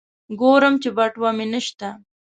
ګورم چې بټوه مې نشته.